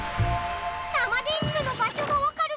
タマ電Ｑの場しょが分かる